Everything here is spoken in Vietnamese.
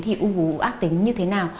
thì u vú ác tính như thế nào